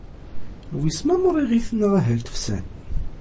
Wissen ma merriɣit neɣ ahat fsan?